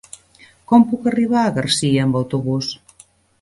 Com puc arribar a Garcia amb autobús?